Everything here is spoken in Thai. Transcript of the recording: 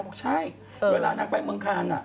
เวลานางไปเมืองคาน